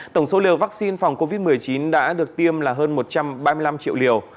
tổng số liều vaccine phòng covid một mươi chín đã được tiêm là hơn một trăm ba mươi năm triệu liều